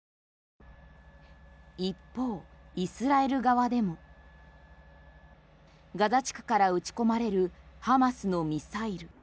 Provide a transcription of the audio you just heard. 一方、イスラエル側でもガザ地区から撃ち込まれるハマスのミサイル。